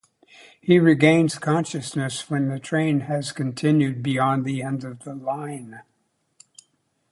He regains consciousness when the train has continued beyond the end of the line.